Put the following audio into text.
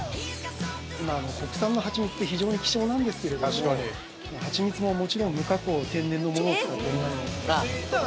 ◆今、国産のはちみつって非常に希少なんですけれどもはちみつも、もちろん無加工天然のものを使っております。